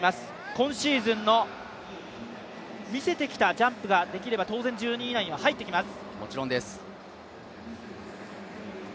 今シーズン見せてきたジャンプができれば当然、１２位以内には入ってきます。